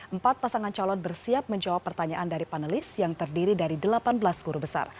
empat pasangan calon bersiap menjawab pertanyaan dari panelis yang terdiri dari delapan belas guru besar